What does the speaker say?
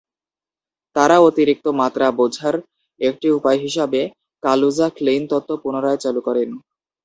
তারা অতিরিক্ত মাত্রা বোঝার একটি উপায় হিসাবে কালুজা-ক্লেইন তত্ত্ব পুনরায় চালু করেন।